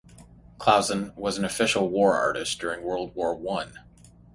Clausen was an official war artist during World War One.